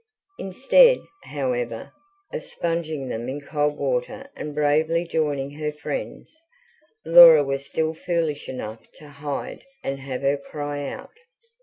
Instead, however, of sponging them in cold water and bravely joining her friends, Laura was still foolish enough to hide and have her cry out.